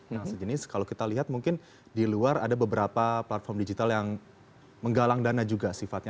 yang sejenis kalau kita lihat mungkin di luar ada beberapa platform digital yang menggalang dana juga sifatnya